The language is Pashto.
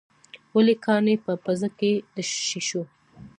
ولې کاڼي په پزه کې د شېشو.